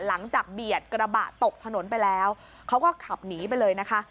เบียดกระบะตกถนนไปแล้วเขาก็ขับหนีไปเลยนะคะ